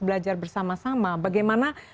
belajar bersama sama bagaimana